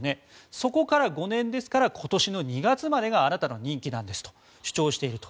そこから５年ですから今年の２月までがあなたの任期なんですと主張していると。